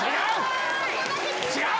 違う！